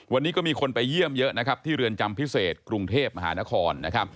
วันนี้ก็มีคนไปเยี่ยมเยอะนะครับที่เรือนจำพิเศษกรุงเทพมหานคร